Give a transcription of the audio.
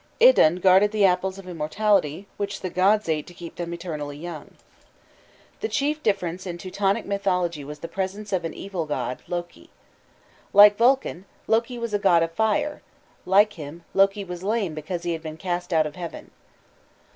Idun guarded the apples of immortality, which the gods ate to keep them eternally young. The chief difference in Teutonic mythology was the presence of an evil god, Loki. Like Vulcan, Loki was a god of fire, like him, Loki was lame because he had been cast out of heaven.